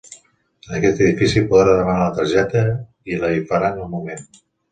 En aquest edifici podrà demanar la targeta i la hi faran al moment.